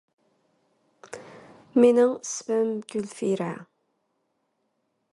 There are other fragments that may belong to "Epigoni" but are uncertain.